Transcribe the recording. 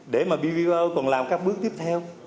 để mà bvo còn làm các bước tiếp theo